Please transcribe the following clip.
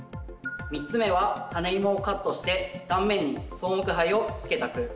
３つ目はタネイモをカットして断面に草木灰をつけた区。